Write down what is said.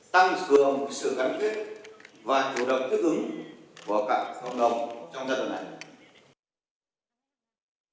tăng cường sự khẳng thiết và chủ động thích ứng của cả cộng đồng trong giai đoạn này